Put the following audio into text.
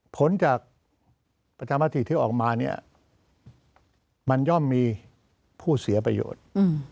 ผลจากปัชภาษีที่ออกมามันย่อมมีผู้เสียประโยชน์